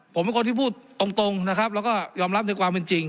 ผมเป็นคนที่พูดตรงนะครับแล้วก็ยอมรับในความเป็นจริง